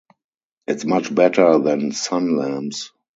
It's much better than sun lamps!